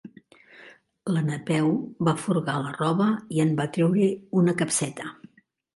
La Napeu va furgar a la roba i en va treure una capseta.